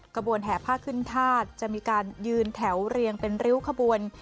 ขบวนแห่ผ้าขึ้นธาตุจะมีการยืนแถวเรียงเป็นริ้วขบวน